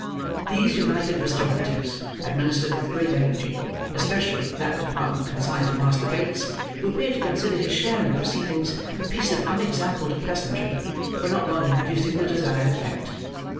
These united restoratives, administered with great energy: especially that department consigned to Master Bates, who appeared to consider his share in the proceedings, a piece of unexampled pleasantry: were not long in producing the desired effect.